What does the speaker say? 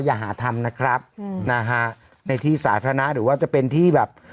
อย่าหาทำนะครับอืมนะฮะในที่สาธารณะหรือว่าจะเป็นที่แบบ